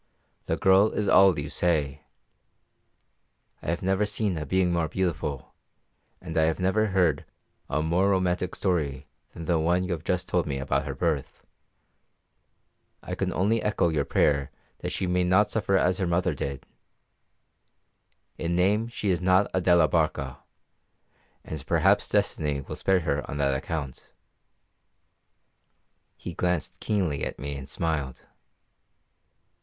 "The girl is all you say; I have never seen a being more beautiful, and I have never heard a more romantic story than the one you have just told me about her birth. I can only echo your prayer that she may not suffer as her mother did. In name she is not a de la Barca, and perhaps destiny will spare her on that account." He glanced keenly at me and smiled.